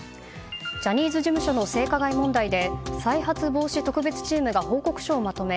ジャニーズ事務所の性加害問題で再発防止特別チームが報告書をまとめ